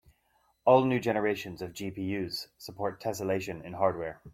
All new generations of GPUs support tesselation in hardware.